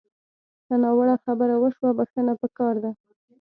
که ناوړه خبره وشوه، بښنه پکار ده